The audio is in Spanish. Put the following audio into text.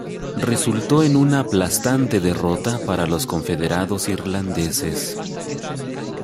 Resultó en una aplastante derrota para los confederados irlandeses.